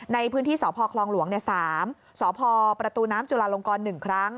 ในพื้นที่สพคลองหลวง๓สพประตูน้ำจุลาลงกร๑ครั้ง